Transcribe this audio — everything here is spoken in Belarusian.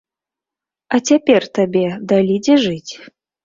А цяпер табе далі дзе жыць?